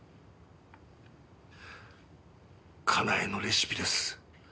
家内のレシピです。